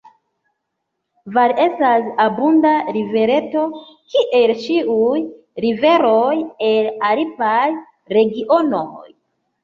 Var estas abunda rivereto, kiel ĉiuj riveroj el alpaj regionoj.